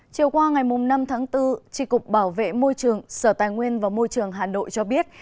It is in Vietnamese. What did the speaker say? chiều qua ngày năm tháng bốn tri cục bảo vệ môi trường sở tài nguyên và môi trường hà nội cho biết